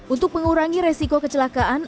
untuk mengurangi risiko kecelakaan